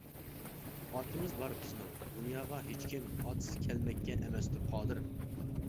ئاتىمىز بار بىزنىڭ، دۇنياغا ھېچكىم، ئاتىسىز كەلمەككە ئەمەستۇر قادىر.